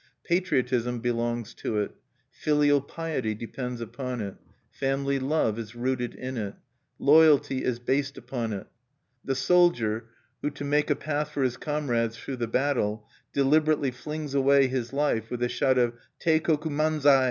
Patriotism belongs to it. Filial piety depends upon it. Family love is rooted in it. Loyalty is based upon it. The soldier who, to make a path for his comrades through the battle, deliberately flings away his life with a shout of "_Teikoku manzai!